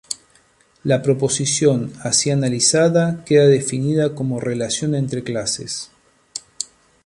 La proposición así analizada queda definida como "relación entre clases".